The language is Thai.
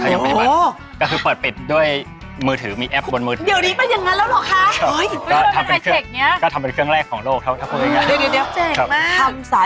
อุ๊ยแหมจริงหรือภาษาสี่เครื่องกว่าที่จะ